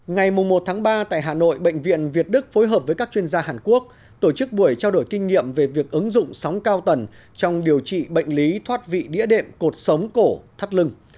ngày một ba tại hà nội bệnh viện việt đức phối hợp với các chuyên gia hàn quốc tổ chức buổi trao đổi kinh nghiệm về việc ứng dụng sóng cao tần trong điều trị bệnh lý thoát vị địa đệm cột sống cổ thắt lưng